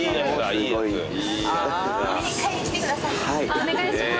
お願いします。